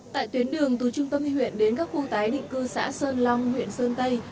tại tuyến đường từ trung tâm huyện đến các khu tái định cư xã sơn long huyện sơn tây